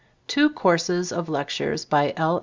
Two courses of lectures by L.